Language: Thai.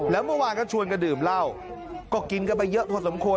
แล้วเมื่อวานก็ชวนกันดื่มเหล้าก็กินกันไปเยอะพอสมควร